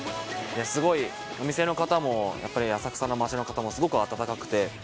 すごいお店の方もやっぱり浅草の街の方もすごく温かくて。